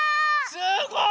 すごい！